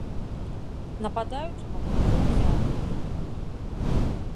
Нападаючага мы ўжо ўзялі.